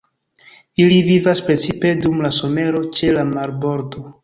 Ili vivas precipe dum la somero ĉe la marbordo.